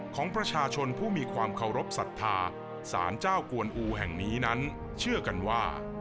ของประชาชนผู้มีความเคารพสัทธาสารเจ้ากวนอูแห่งนี้นั้นเชื่อกันว่า